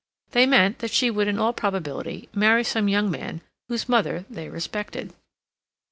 They meant that she would in all probability marry some young man whose mother they respected.